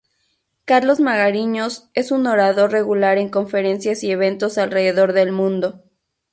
Carlos Magariños es un orador regular en conferencias y eventos alrededor del mundo.